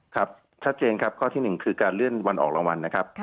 ครับชัดเจนครับข้อที่๑คือการเลื่อนวันออกรางวัลนะครับ